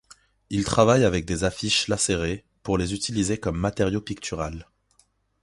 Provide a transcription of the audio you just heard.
Il travaille avec des affiches lacérées, pour les utiliser comme matériau pictural.